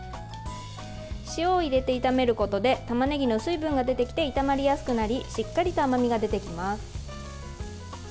塩を入れて炒めることでたまねぎの水分が出てきて炒まりやすくなりしっかりと甘みが出てきます。